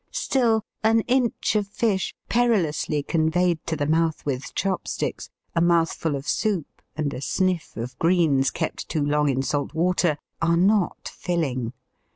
Still an inch of fish, perilously conveyed to the mouth with chopsticks, a mouthful of soup, and a sniff of greens kept too long in salt water, are not filling.